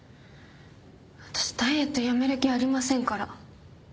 私ダイエットやめる気ありませんから。